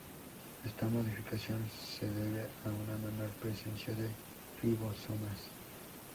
Esta modificación se debe a una menor presencia de ribosomas.